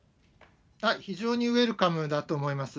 はい、非常にウェルカムだと思います。